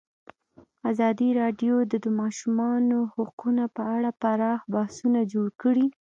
ازادي راډیو د د ماشومانو حقونه په اړه پراخ بحثونه جوړ کړي.